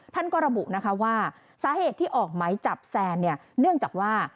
ท่านกรบุว่าสาเหตุที่ออกหมายจับแซนเนื่องจากว่า